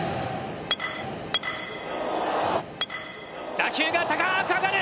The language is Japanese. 打球が高く上がる！